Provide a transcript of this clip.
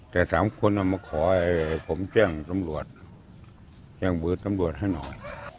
แต่สามคนน่ะมาขอให้ผมแจ้งสำรวจแจ้งเบอร์สำรวจให้หน่อย